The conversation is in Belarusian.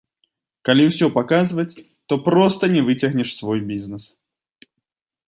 Калі ўсё паказваць, то проста не выцягнеш свой бізнес.